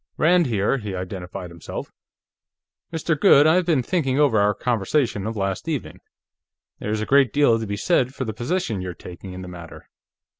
"Rand, here," he identified himself. "Mr. Goode, I've been thinking over our conversation of last evening. There is a great deal to be said for the position you're taking in the matter.